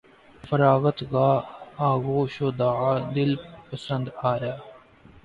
فراغت گاہ آغوش وداع دل پسند آیا